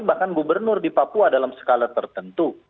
bahkan gubernur di papua dalam skala tertentu